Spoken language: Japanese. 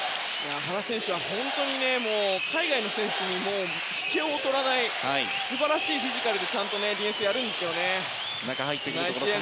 原選手は本当に海外の選手にも引けを取らない素晴らしいフィジカルでディフェンスをやるんですよね。